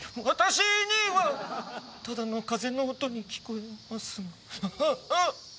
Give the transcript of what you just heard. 私にはただの風の音に聞こえますが。